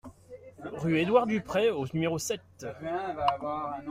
Rue Édouard Dupray au numéro sept